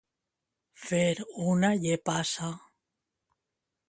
Fer una llepassa.